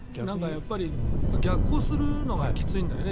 やっぱり逆行するのがきついんだよね、